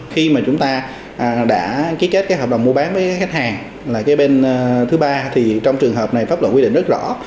khi mà chúng ta đã ký kết cái hợp đồng mua bán với khách hàng là cái bên thứ ba thì trong trường hợp này pháp luật quy định rất rõ